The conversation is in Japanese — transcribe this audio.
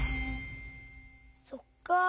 そっか。